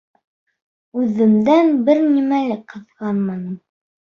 Үҙемдән бер нимә лә ҡыҙғанманым.